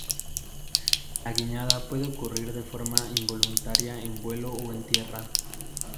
La guiñada puede ocurrir de forma involuntaria en vuelo o en tierra.